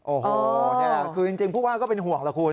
โอ้โหคือจริงพูดว่าก็เป็นหวกล่ะคุณ